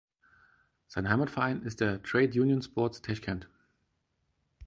Sein Heimatverein ist der "Trade Union Sports Taschkent".